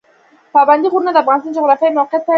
پابندی غرونه د افغانستان د جغرافیایي موقیعت پایله ده.